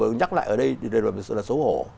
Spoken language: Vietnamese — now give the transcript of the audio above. nhắc lại ở đây đều là sự xấu hổ